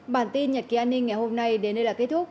bản tin nhật ký an ninh ngày hôm nay đến đây là kết thúc